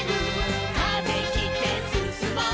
「風切ってすすもう」